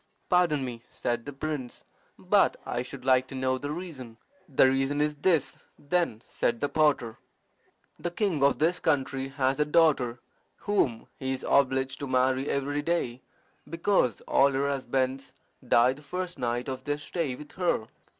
"Pardon me," said the prince, "but I should like to know the reason." "The reason is this, then," said the potter. "The king of this country has a daughter whom he is obliged to marry every day, because all her husbands die the first night of their stay with her.